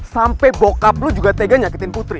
sampai bokap lu juga tega nyakitin putri